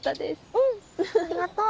うんありがとう。